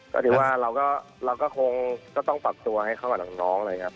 ก็ถือว่าเราก็คงต้องปรับตัวให้เข้ากับน้องเลยครับ